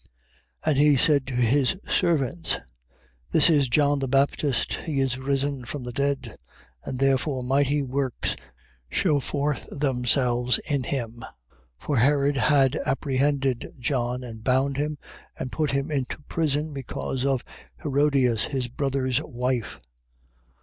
And he said to his servants: This is John the Baptist: he is risen from the dead, and therefore mighty works shew forth themselves in him. 14:3. For Herod had apprehended John and bound him, and put him into prison, because of Herodias, his brother's wife.